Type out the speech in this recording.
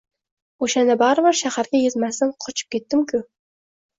O‘shanda baribir shaharga yetmasdan qochib ketdim-ku.